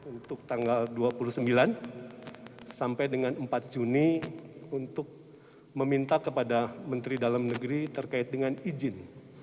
untuk tanggal dua puluh sembilan sampai dengan empat juni untuk meminta kepada menteri dalam negeri terkait dengan izin